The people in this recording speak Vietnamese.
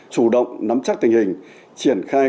chủ động nắm chắc tình hình triển khai